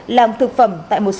làm thực phẩm tại một xe khách